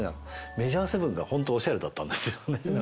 メジャーセブンが本当おしゃれだったんですよね何かね。